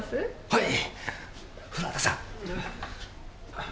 はい。